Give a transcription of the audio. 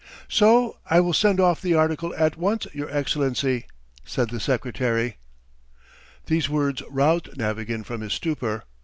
"So I will send off the article at once, your Excellency," said the secretary. These words roused Navagin from his stupour.